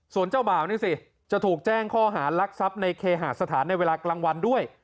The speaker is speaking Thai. ส่วนเจ้าบ่าวนี่สิจะถูกแจ้งข้อหารักทรัพย์ในเคหาสถานในเวลากลางวันด้วย